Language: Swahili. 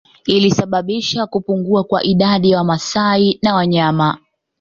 Ilisababisha kupungua kwa idadi ya Wamasai na wanyama